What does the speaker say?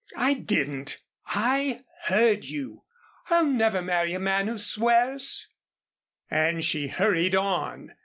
"I didn't." "I heard you," firmly. "I'll never marry a man who swears," and she hurried on.